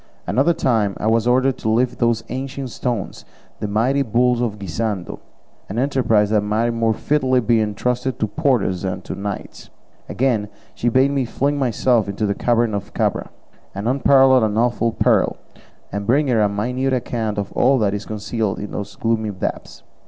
Another time I was ordered to lift those ancient stones, the mighty bulls of Guisando, an enterprise that might more fitly be entrusted to porters than to knights. Again, she bade me fling myself into the cavern of Cabra an unparalleled and awful peril and bring her a minute account of all that is concealed in those gloomy depths.